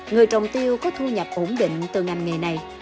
người trồng tiêu có thu nhập ổn định từ ngành nghề này